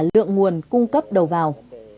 lượng nguồn cung cấp đầu vào